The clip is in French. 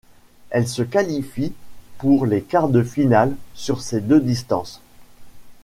Elle se qualifie pour les quarts de finale sur ces deux distances.